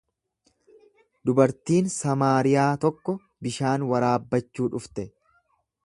Dubartiin Samaariyaa tokko bishaan waraabbachuu dhufte.